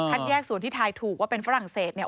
แยกส่วนที่ทายถูกว่าเป็นฝรั่งเศสเนี่ย